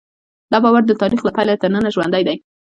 دا باور د تاریخ له پیله تر ننه ژوندی دی.